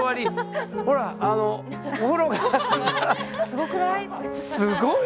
すごくない？